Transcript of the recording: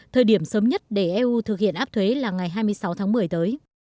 thời điểm sớm nhất để eu thực hiện áp thuế là ngày hai mươi sáu tháng một mươi tới